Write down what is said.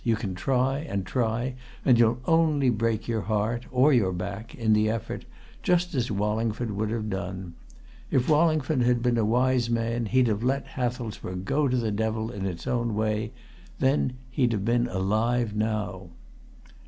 You can try and try, and you'll only break your heart, or your back, in the effort, just as Wallingford would have done. If Wallingford had been a wise man he'd have let Hathelsborough go to the devil in its own way; then he'd have been alive now."